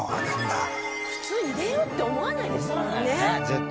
普通入れようって思わないですもんね。